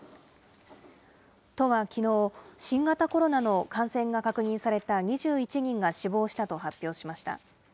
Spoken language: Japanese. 都はきのう、新型コロナの感染が確認された２１人が死亡したと発表しました。